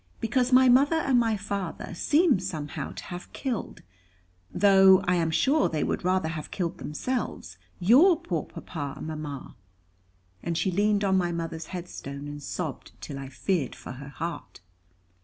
"Because my mother and my father seem somehow to have killed though I am sure they would rather have killed themselves your poor papa and mamma." And she leaned on my mother's headstone, and sobbed till I feared for her heart.